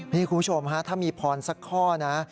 นี่คุณผู้ชมฮะถ้ามีพรสักข้อนะ